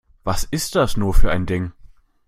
Was ist das nur für ein Ding?